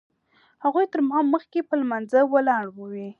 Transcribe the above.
هغوی تر ما مخکې په لمانځه ولاړ وي.